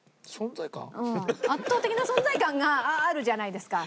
圧倒的な存在感があるじゃないですか。